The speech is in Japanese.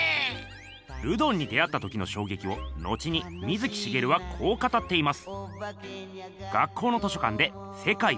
ルドンに出会った時のしょうげきを後に水木しげるはこう語っています。